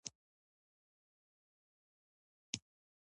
هيلې د خپلو خبرو وروستۍ برخه راواخيسته